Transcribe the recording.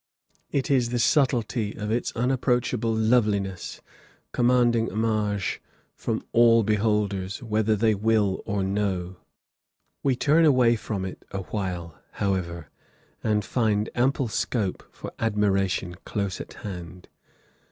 It is the subtlety of its unapproachable loveliness, commanding homage from all beholders, whether they will or no. We turn away from it awhile, however, and find ample scope for admiration close at hand.